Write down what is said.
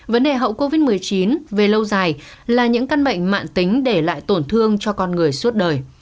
vấn đề hậu covid một mươi chín về lâu dài là những căn bệnh mạng tính để lại tổn thương cho con người suốt đời